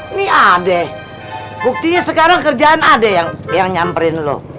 ini ada buktinya sekarang kerjaan ada yang nyamperin lu